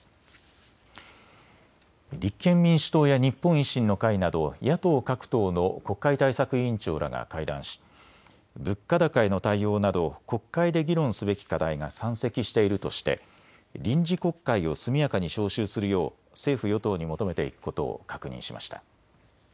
立憲民主党や日本維新の会など野党各党の国会対策委員長らが会談し、物価高への対応など国会で議論すべき課題が山積しているとして臨時国会を速やかに召集するよう政府与党に求めていくことを確認しました。